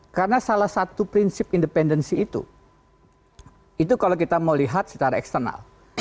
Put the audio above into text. karena salah satu prinsip independensi itu itu kalau kita mau lihat secara eksternal